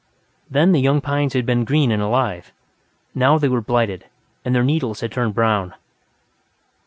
Then the young pines had been green and alive; now they were blighted, and their needles had turned brown.